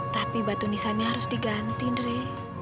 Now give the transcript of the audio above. tapi batu nisanya harus diganti ndre